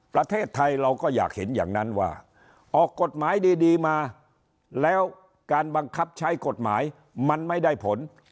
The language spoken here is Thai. ประเทศไทยเราก็อยากเห็นอย่างนั้นว่าออกกฎหมายดีมาแล้วการบังคับใช้กฎหมายมันไม่ได้ผล